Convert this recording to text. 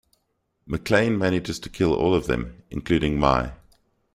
McClane manages to kill all of them, including Mai.